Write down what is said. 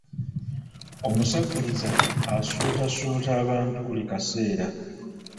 Omusavuliza asuutasuuta abantu buli kaseera.